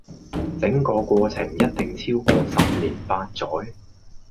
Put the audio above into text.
整個過程一定超過十年八載